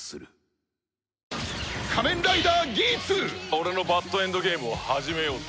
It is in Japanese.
俺のバッドエンドゲームを始めようぜ。